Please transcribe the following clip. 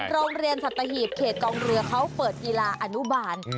โรงเรียนสัตหีบเขตกองเรือเขาเปิดกีฬาอนุบาล